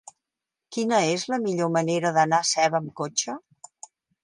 Quina és la millor manera d'anar a Seva amb cotxe?